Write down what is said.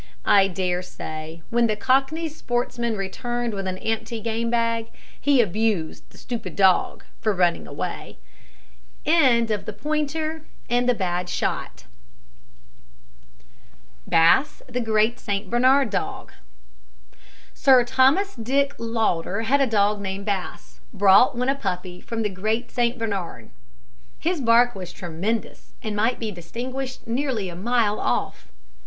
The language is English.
I daresay, when the Cockney sportsman returned with an empty gamebag, he abused the stupid dog for running away. BASS, THE GREAT SAINT BERNARD DOG. Sir Thomas Dick Lauder had a dog named Bass, brought when a puppy from the Great Saint Bernard. His bark was tremendous, and might be distinguished nearly a mile off.